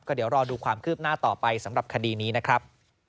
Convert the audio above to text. เดี๋ยวรอดูความคืบหน้าต่อไปสำหรับคดีนี้นะครับ